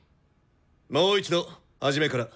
もう一度始めから。